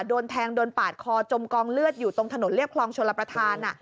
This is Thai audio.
โดนแทงโดนปาดคอจมกองเลือดอยู่ตรงถนนเรียบคลองชลประธาน